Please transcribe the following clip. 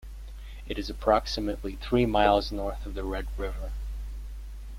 It is approximately three miles north of the Red River.